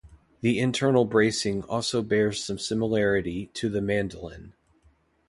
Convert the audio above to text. The internal bracing also bears some similarity to the mandolin.